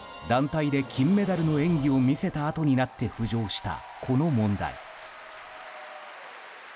団体で金メダルの演技を見せたあとになって浮上した、この問題。